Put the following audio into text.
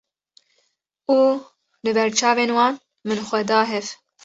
û li ber çavên wan min xwe da hev